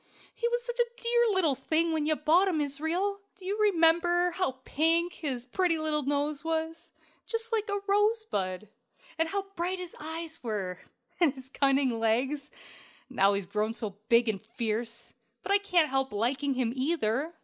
"He was such a dear little thing when you bought him, Israel! Do you remember how pink his pretty little nose was just like a rosebud and how bright his eyes were, and his cunning legs? And now he's grown so big and fierce! But I can't help liking him, either."